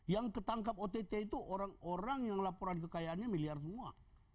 yang ketangkap ott itu orang orang yang laporan kekayaannya miliar semua